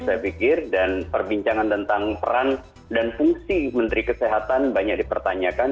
saya pikir dan perbincangan tentang peran dan fungsi menteri kesehatan banyak dipertanyakan